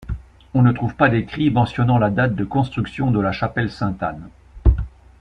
On ne trouve pas d’écrit mentionnant la date de construction de la chapelle Sainte-Anne.